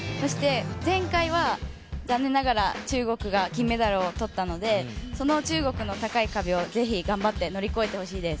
前回は残念ながら中国が金メダルを取ったのでその中国の高い壁をぜひ頑張って乗り越えてほしいです。